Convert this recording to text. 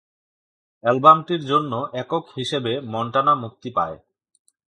অ্যালবামটির জন্য একক হিসেবে মন্টানা মুক্তি পায়।